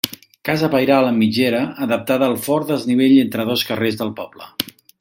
Casa pairal amb mitgera, adaptada al fort desnivell entre dos carrers del poble.